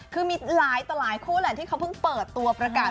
คือมีหลายต่อหลายคู่แหละที่เขาเพิ่งเปิดตัวประกาศ